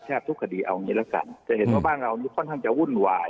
ทุกคดีเอางี้ละกันจะเห็นว่าบ้านเรานี่ค่อนข้างจะวุ่นวาย